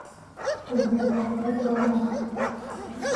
- Օհո՛, այդ լավ բան ասացիք: